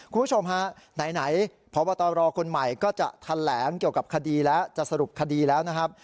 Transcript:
คุณผู้ชมฮะไหนพบตรคนใหม่ก็จะแถลงเกี่ยวกับคดีแล้วจะสรุปคดีแล้วนะครับ